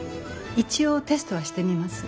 一応テストはしてみます。